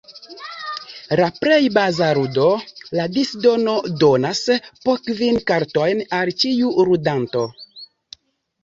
Je la plej baza ludo, la disdono donas po kvin kartojn al ĉiu ludanto.